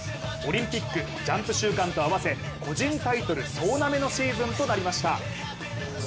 オリンピック、ジャンプ週間と合わせ個人タイトル総なめのシーズンとなりました。